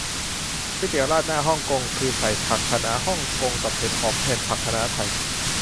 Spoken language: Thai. ก๋วยเตี๋ยวราดหน้าฮ่องกงคือใส่ผักคะน้าฮ่องกงกับเห็ดหอมแทนผักคะน้าไทย